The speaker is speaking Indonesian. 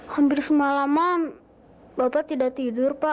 hampir semalaman bapak tidak tidur pak